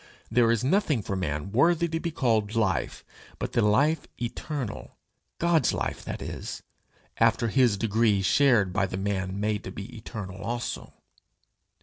There is nothing for man worthy to be called life, but the life eternal God's life, that is, after his degree shared by the man made to be eternal also.